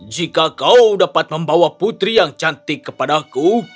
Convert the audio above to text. jika kau dapat membawa putri yang cantik kepadaku